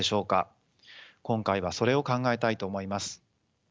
今回はそれを考えたいと思います。